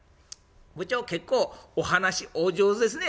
「部長結構お話お上手ですね」。